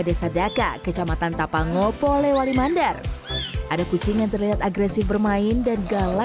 desa daka kecamatan tapangopo lewali mandar ada kucing yang terlihat agresif bermain dan galak